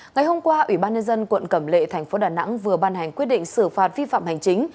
ngày hôm qua ủy ban nhân dân quận cẩm lệ thành phố đà nẵng vừa ban hành quyết định xử phạt vi phạm hành chính